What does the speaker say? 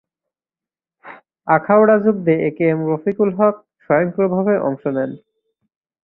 আখাউড়া যুদ্ধে A K M Rafiqul Haque সক্রিয়ভাবে অংশ নেন।